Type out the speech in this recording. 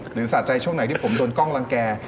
สะใจช่วงไหนที่ผมโดนกล้องรังแก่